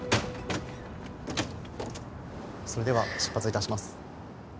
それでは出発致します。